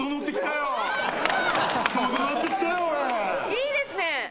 いいですね！